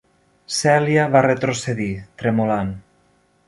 Celia va retrocedir, tremolant.